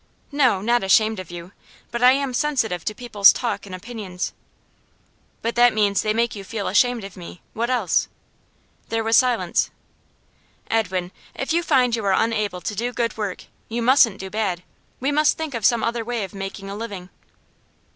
'No, not ashamed of you. But I am sensitive to people's talk and opinions.' 'But that means they make you feel ashamed of me. What else?' There was silence. 'Edwin, if you find you are unable to do good work, you mustn't do bad. We must think of some other way of making a living.